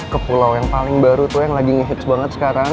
ke pulau yang paling baru lo yang lagi ngehits banget sekarang